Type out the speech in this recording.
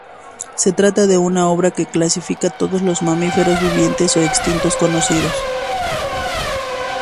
Se trata de una obra que clasifica todos los mamíferos, vivientes o extintos, conocidos.